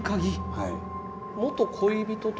はい。